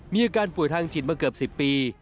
มีอาการป่วยทางจิตมาเกือบ๑๐ปี